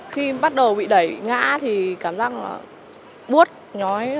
khi bắt đầu bị đẩy ngã thì cảm giác bút nhói